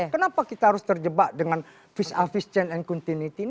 kenapa kita harus terjebak dengan vis a vis berubah dan berterusan